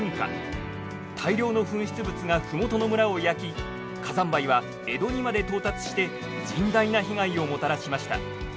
大量の噴出物が麓の村を焼き火山灰は江戸にまで到達して甚大な被害をもたらしました。